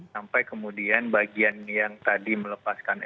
sampai kemudian bagian yang tadi melepaskan